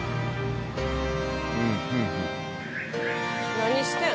何してん？